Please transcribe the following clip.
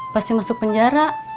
pasti masuk penjara